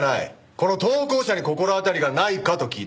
この投稿者に心当たりがないかと聞いたんだ。